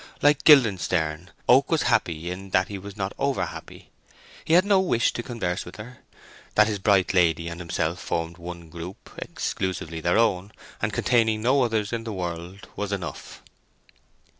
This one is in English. Like Guildenstern, Oak was happy in that he was not over happy. He had no wish to converse with her: that his bright lady and himself formed one group, exclusively their own, and containing no others in the world, was enough.